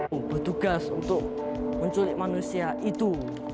dan kemudian kita bisa melihat keadaan manusia itu